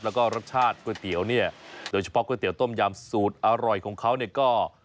แล้วก็รสชาติก๋วยเตี๋ยวเนี่ยโดยเฉพาะก๋วยเตี๋ต้มยำสูตรอร่อยของเขาเนี่ยก็